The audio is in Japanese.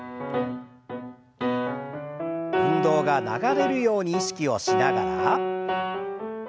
運動が流れるように意識をしながら。